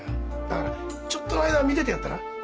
だからちょっとの間見ててやったら？